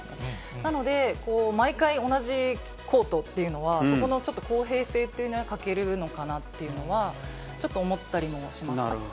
なので、毎回同じコートというのは、そこのちょっと公平性というのに欠けるのかなというのはちょっと思ったりもしました。